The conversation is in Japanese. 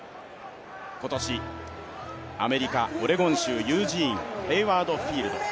今年、アメリカ・オレゴン州ユージーン、ヘイワード・フィールド。